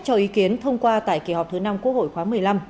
cho ý kiến thông qua tại kỳ họp thứ năm quốc hội khóa một mươi năm